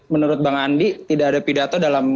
menurut bang andi tidak ada pidato dalam